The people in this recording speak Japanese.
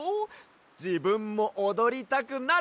じぶんもおどりたくなる！